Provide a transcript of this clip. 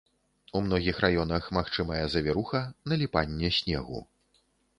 У многіх раёнах магчымая завіруха, наліпанне снегу.